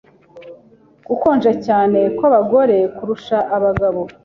gukonja cyane kw’abagore kurusha abagabo